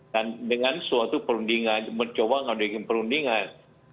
dan dengan suatu perundingan mencoba menghadapi perundingan